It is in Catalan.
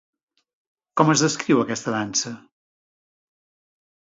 Com es descriu aquesta dansa?